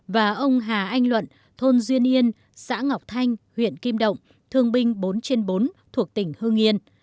và ông hà anh luận thôn duyên yên xã ngọc thanh huyện kim động thương binh bốn trên bốn thuộc tỉnh hương yên